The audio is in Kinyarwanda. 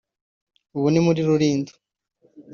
ubu ni muri Rulindo